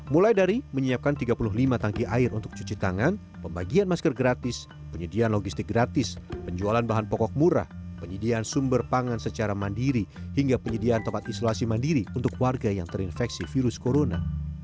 mulai dari menyiapkan tiga puluh lima tangki air untuk cuci tangan pembagian masker gratis penyediaan logistik gratis penjualan bahan pokok murah penyediaan sumber pangan secara mandiri hingga penyediaan tempat isolasi mandiri untuk warga yang terinfeksi virus corona